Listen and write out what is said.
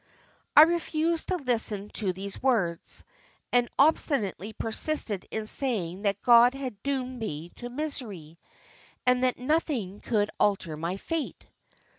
"I refused to listen to these words, and obstinately persisted in saying that God had doomed me to misery, and that nothing could alter my fate.